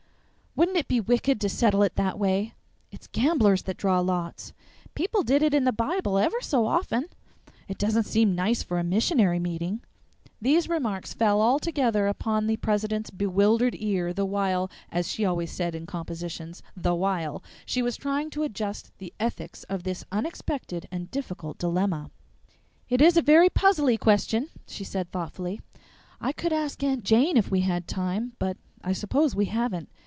"Wouldn't it be wicked to settle it that way?" "It's gamblers that draw lots." "People did it in the Bible ever so often." "It doesn't seem nice for a missionary meeting." These remarks fell all together upon the president's bewildered ear the while (as she always said in compositions) "the while" she was trying to adjust the ethics of this unexpected and difficult dilemma. "It is a very puzzly question," she said thoughtfully. "I could ask Aunt Jane if we had time, but I suppose we haven't.